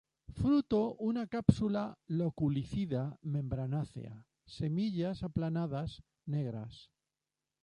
Fruto una cápsula loculicida, membranácea; semillas aplanadas, negras.